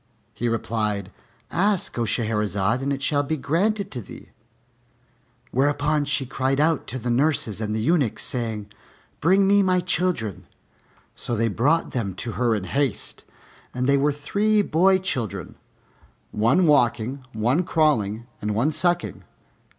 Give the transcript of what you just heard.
He replied, "Ask, O Shahrazad, and it shall be granted to thee." Whereupon she cried out to the nurses and the eunuchs, saying, "Bring me my children." So they brought them to her in haste, and they were three boy children, one walking, one crawling, and one sucking.